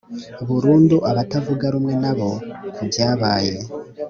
burundu abatavuga rumwe na bo ku byabaye.